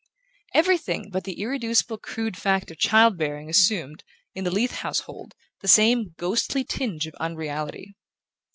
Everything but the irreducible crude fact of child bearing assumed, in the Leath household, the same ghostly tinge of unreality.